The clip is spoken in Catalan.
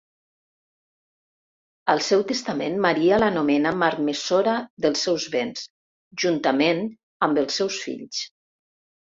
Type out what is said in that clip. Al seu testament Maria l'anomena marmessora dels seus béns, juntament amb els seus fills.